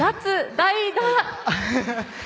代打！